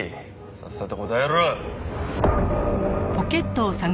さっさと答えろ。